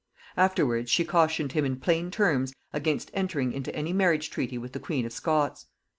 Afterwards she cautioned him in plain terms against entering into any marriage treaty with the queen of Scots.